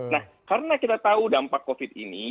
nah karena kita tahu dampak covid ini